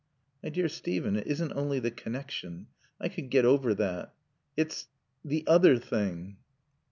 "My dear Steven, it isn't only the connection. I could get over that. It's the other thing."